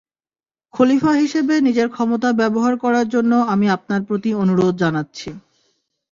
খলিফা হিসেবে নিজের ক্ষমতা ব্যবহার করার জন্য আমি আপনার প্রতি অনুরোধ জানাচ্ছি।